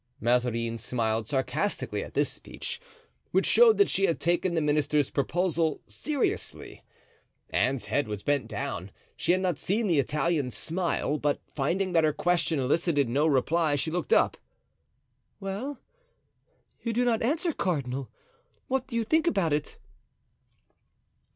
Mazarin smiled sarcastically at this speech, which showed that she had taken the minister's proposal seriously. Anne's head was bent down—she had not seen the Italian's smile; but finding that her question elicited no reply she looked up. "Well, you do not answer, cardinal, what do you think about it?"